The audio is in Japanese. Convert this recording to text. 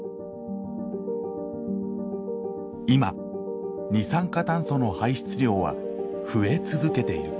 今二酸化炭素の排出量は増え続けている。